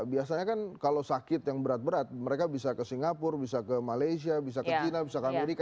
biasanya kan kalau sakit yang berat berat mereka bisa ke singapura bisa ke malaysia bisa ke china bisa ke amerika